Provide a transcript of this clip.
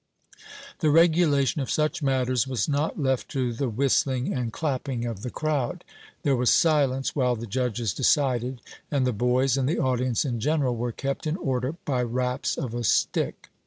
The regulation of such matters was not left to the whistling and clapping of the crowd; there was silence while the judges decided, and the boys, and the audience in general, were kept in order by raps of a stick.